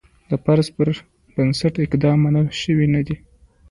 د فرض پر بنسټ اقدام منل شوی نه دی.